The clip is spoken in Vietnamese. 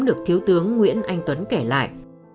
được thiếu tướng nguyễn anh tuấn kể lại